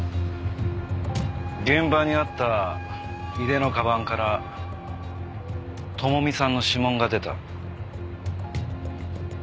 現場にあった井出の鞄から朋美さんの指紋が出た。